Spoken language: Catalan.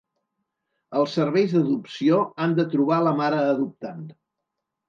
Els serveis d’adopció han de trobar la mare adoptant.